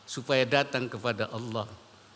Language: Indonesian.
supaya datang kepada allah